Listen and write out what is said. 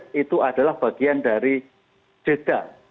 jadi itu adalah bagian dari tkp dari deda